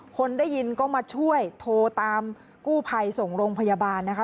คนได้ยินก็มาช่วยโทรตามกู้ภัยส่งโรงพยาบาลนะคะ